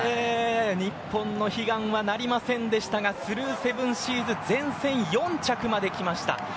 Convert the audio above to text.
日本の悲願はなりませんでしたがスルーセブンシーズ善戦、４着まで来ました。